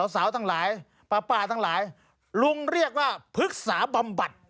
สาวทั้งหลายป๊าป้าทั้งหลายลุงเรียกว่าภึกษาบำบัด